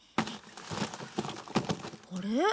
あれ？